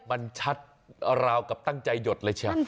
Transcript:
มันชัดราวกับตั้งใจหยดเลย